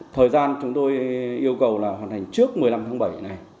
thời gian chúng tôi yêu cầu là hoàn thành trước một mươi năm tháng bảy này